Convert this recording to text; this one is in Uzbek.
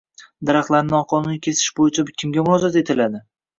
Daraxtlarni noqonuniy kesish bo‘yicha kimga murojaat etiladi?